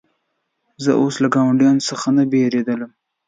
زه اوس له ګاونډیانو څخه نه بېرېدلم.